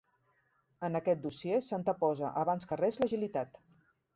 En aquest dossier s'anteposa abans que res l'agilitat.